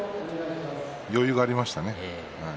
余裕がありましたね。